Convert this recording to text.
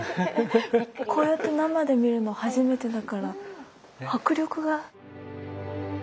こうやって生で見るの初めてだから迫力が。